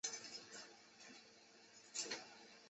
加速医疗院所工程